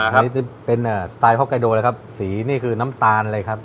อันนี้จะเป็นสไตล์ฮอกไกโดนะครับสีนี่คือน้ำตาลเลยครับ